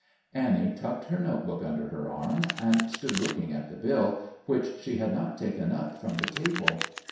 Annie tucked her notebook under her arm and stood looking at the bill which she had not taken up from the table.